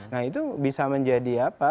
nah itu bisa menjadi apa